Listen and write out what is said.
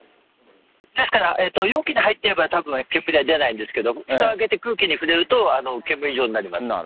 ですから容器に入ってれば、たぶん煙は出ないんですけれども、ふた開けて空気に触れると煙状になります。